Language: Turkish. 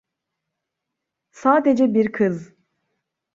Sadece bir kız.